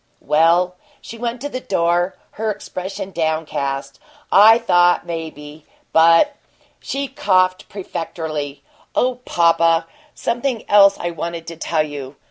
"Well " She went to the door, her expression downcast. "I thought maybe but " She coughed prefatorily. "Oh, papa, something else I wanted to tell you.